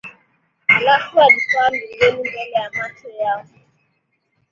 halafu alipaa mbinguni mbele ya macho yao